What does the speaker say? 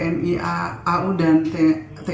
pemkot sulu tni au dan pemkot sulu